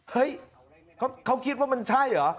เฮ้ยเขาคิดว่ามันใช่เหรอ